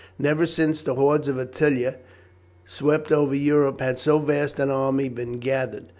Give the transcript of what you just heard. Never since the hordes of Attila swept over Europe had so vast an army been gathered.